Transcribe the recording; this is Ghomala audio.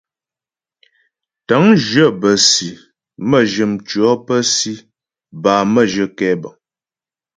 Tə̂ŋjyə bə́ si, mə́jyə mtʉɔ̌ pə́ si bâ mə́jyə kɛbəŋ.